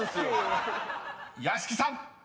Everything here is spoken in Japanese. ［屋敷さん］